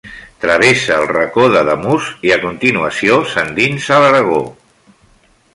Travessa el Racó d'Ademús i a continuació s'endinsa a l'Aragó.